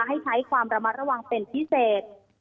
ให้ใช้ความระมัดระวังเป็นพิเศษ